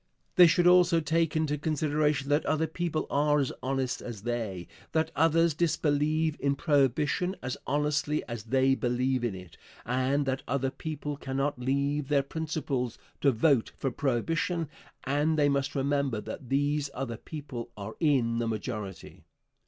They should also take into consideration that other people are as honest as they; that others disbelieve in prohibition as honestly as they believe in it, and that other people cannot leave their principles to vote for prohibition; and they must remember, that these other people are in the majority.